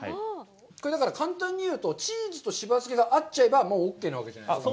これだから簡単に言うと、チーズとしば漬けが合っちゃえばもうオッケーなわけじゃないですか。